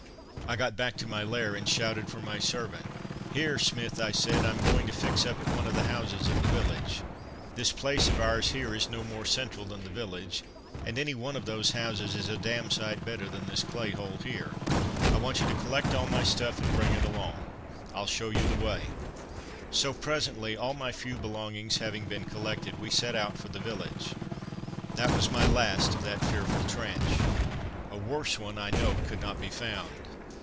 I got back to my lair and shouted for my servant. "Here, Smith," I said, "I'm going to fix up at one of the houses in the village. This place of ours here is no more central than the village, and any one of those houses is a damn sight better than this clay hole here. I want you to collect all my stuff and bring it along; I'll show you the way." So presently, all my few belongings having been collected, we set out for the village. That was my last of that fearful trench. A worse one I know could not be found.